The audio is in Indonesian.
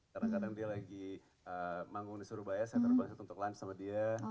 kadang kadang dia lagi bangung di surubaya saya terbang satu satu ke lunch sama dia